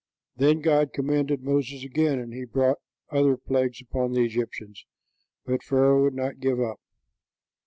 Then God commanded Moses again, and he brought other plagues upon the Egyptians; but Pharaoh would not give up.